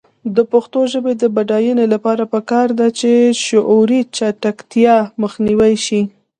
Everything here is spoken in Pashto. د پښتو ژبې د بډاینې لپاره پکار ده چې شعوري چټکتیا مخنیوی شي.